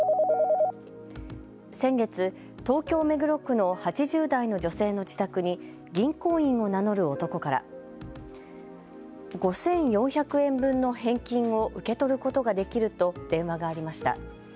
先月、東京目黒区の８０代の女性の自宅に銀行員を名乗る男から５４００円分の返金を受け取ることができると電話がありました。